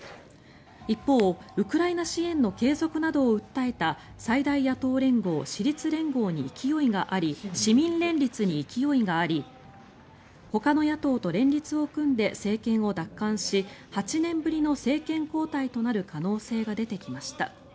一方、ウクライナ支援の継続などを訴えた最大野党連合・市民連立に勢いがありほかの野党と連立を組んで政権を奪還し８年ぶりの政権交代となる可能性が出てきました。